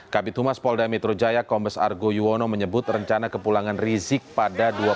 kabit humas polda metro jaya kombes argo yuwono menyebut rencana kepulangan rizik pada dua ribu dua puluh